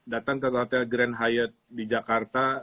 datang ke hotel grand hyat di jakarta